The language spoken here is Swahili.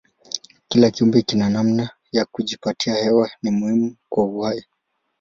Kila kiumbe kina namna ya kujipatia hewa hii muhimu kwa uhai.